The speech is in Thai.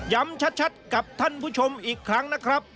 ชัดกับท่านผู้ชมอีกครั้งนะครับ